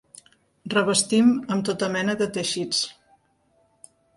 Revestim amb tota mena de teixits.